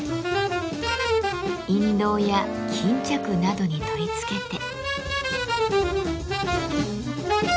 印籠や巾着などに取り付けて。